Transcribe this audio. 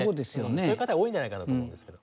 そういう方が多いんじゃないかなと思いますけど。